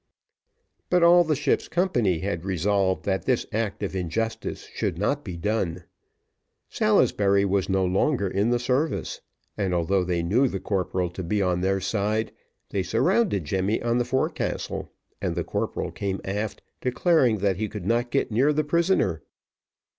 But all the ship's company had resolved that this act of injustice should not be done. Salisbury was no longer in the service, and although they knew the corporal to be on their side, they surrounded Jemmy on the forecastle, and the corporal came aft, declaring that he could not get near the prisoner.